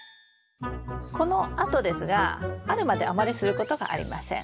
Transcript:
このあとですが春まであまりすることがありません。